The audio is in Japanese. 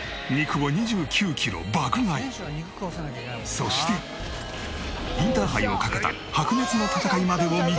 そしてインターハイをかけた白熱の戦いまでを密着！